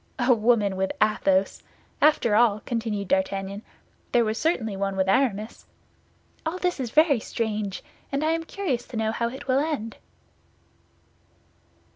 A woman with Athos! After all," continued D'Artagnan, "there was certainly one with Aramis. All this is very strange; and I am curious to know how it will end."